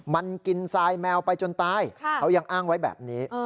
มันกินทรายแมวไปจนตายเขายังอ้างไว้แบบนี้